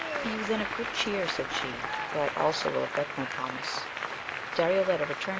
Be you then of good cheer, said she, for I also wiU effect my promise. Darioleta returned.